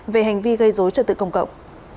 về hành vi gây dối trật tự công cộng